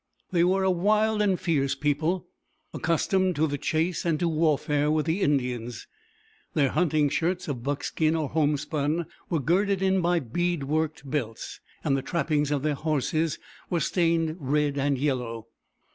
They were a wild and fierce people, accustomed to the chase and to warfare with the Indians. Their hunting shirts of buckskin or homespun were girded in by bead worked belts, and the trappings of their horses were stained red and yellow.